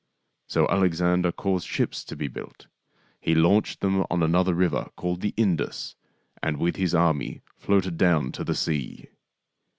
So Alexander caused ships to be built. He launched them on another river called the Indus, and with his army floated down to the sea.